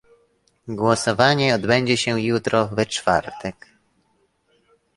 Głosowanie odbędzie się jutro, we czwartek